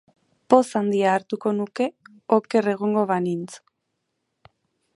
Poz handia hartuko nuke oker egongo banintz.